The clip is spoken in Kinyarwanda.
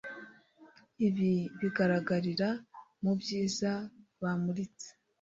Ibi bigaragarira mubyiza bamuritse